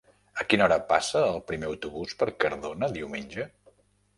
A quina hora passa el primer autobús per Cardona diumenge?